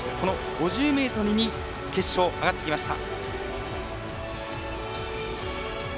５０ｍに決勝、上がってきました。